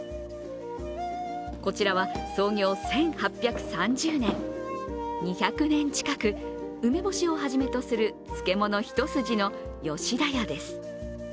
こちらは創業１８３０年、２００年近く梅干しをはじめとする漬物一筋の吉田屋です。